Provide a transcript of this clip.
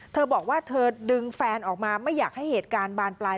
เธอบอกว่าเธอดึงแฟนออกมาไม่อยากให้เหตุการณ์บานปลาย